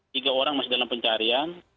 tiga orang masih dalam pencarian